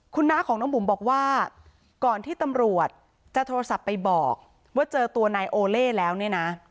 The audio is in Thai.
คุณน้าของน้องบุ๋มบอกว่าก่อนที่ตำรวจจะโทรศัพท์ไปบอกว่าเจอตัวนายโอเล่แล้วเนี่ยนะ